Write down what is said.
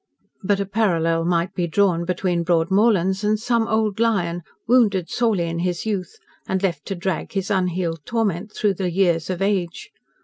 But a parallel might be drawn between Broadmorlands and some old lion wounded sorely in his youth and left to drag his unhealed torment through the years of age.